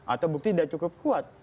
atau bukti tidak cukup kuat